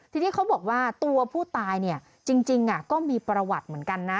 ทีนี้เขาบอกว่าตัวผู้ตายเนี่ยจริงก็มีประวัติเหมือนกันนะ